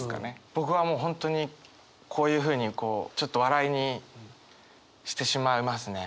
僕はもう本当にこういうふうにこうちょっと笑いにしてしまいますね。